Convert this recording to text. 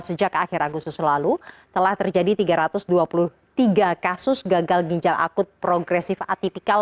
sejak akhir agustus lalu telah terjadi tiga ratus dua puluh tiga kasus gagal ginjal akut progresif atipikal